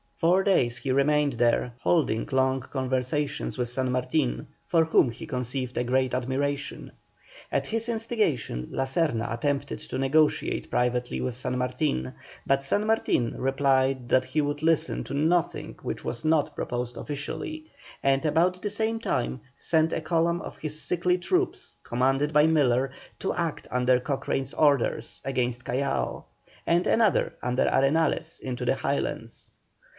Four days he remained there, holding long conversations with San Martin, for whom he conceived a great admiration. At his instigation La Serna attempted to negotiate privately with San Martin, but San Martin replied that he would listen to nothing which was not proposed officially, and about the same time sent a column of his sickly troops, commanded by Miller, to act under Cochrane's orders against Callao, and another under Arenales into the Highlands.